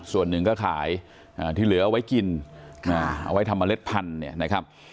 ส่วนหนึ่งก็ขายที่เหลือเอาไว้กินเอาไว้ทำเมล็ดพันธุ์เนี่ยนะครับ